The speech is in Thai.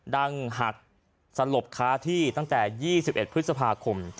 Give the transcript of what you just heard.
หักสลบค้าที่ตั้งแต่๒๑พฤษภาคม